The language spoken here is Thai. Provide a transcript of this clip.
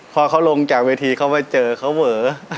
พอเขาลงจากเวทีเขาไปเจอเขาเวอ